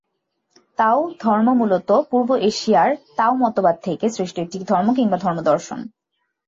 তাও ধর্ম মূলত পূর্ব এশিয়ার তাও মতবাদ থেকে সৃষ্ট একটি ধর্ম কিংবা ধর্ম-দর্শন।